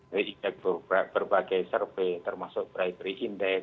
dari berbagai survei termasuk primary index